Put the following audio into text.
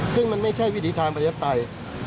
ซึ่งมันไม่ใช่วิธีทางประเย็บใต้